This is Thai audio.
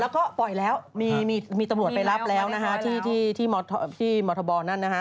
แล้วก็ปล่อยแล้วมีตำรวจไปรับแล้วที่มอเทอร์บอลนั้น